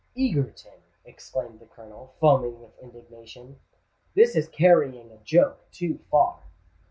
"Egerton," exclaimed the Colonel, foaming with indignation, "this is carrying a joke too far."